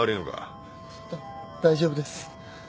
だ大丈夫です。